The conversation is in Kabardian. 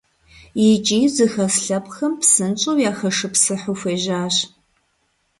ИкӀи зыхэс лъэпкъхэм псынщӏэу яхэшыпсыхьу хуежьащ.